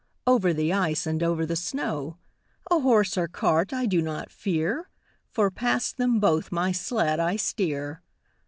Over the ice, and over the snow; A horse or cart I do not fear. For past them both my sled I steer.